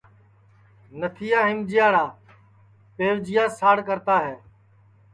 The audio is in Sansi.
نتھیا ہیمجیاڑے پیوجیاس ساڑ کرتا ہے